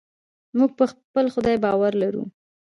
موږ په خپل خدای باور لرو.